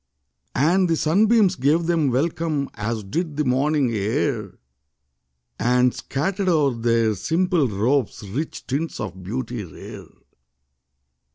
And the sunbeams gave them welcome. As did the morning air And scattered o'er their simple robes Rich tints of beauty rare.